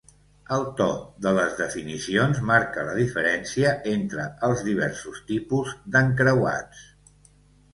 El to de les definicions marca la diferència entre els diversos tipus d'encreuats.